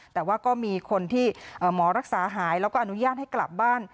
แต่ว่าก็มีคนที่หมอรักษาหายแล้วก็อนุญาตให้กลับบ้าน